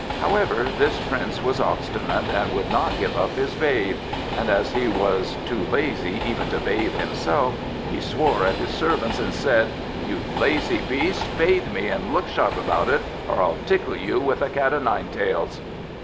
However, this Prince was obstinate, and would not give up his bathe; and as he was too lazy even to bathe himself, he swore at his servants, and said: "You lazy beasts! Bathe me, and look sharp about it, or I'll tickle you with a cat o' nine tails!"